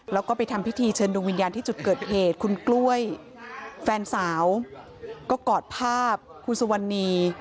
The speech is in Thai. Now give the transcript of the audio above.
แล้วก็ไปทำพิธีเชิญดวงวิญญาณที่จุดเกิดเหตุคุณกล้วยแฟนสาวก็กอดภาพคุณสุวรรณี